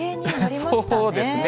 そうですね。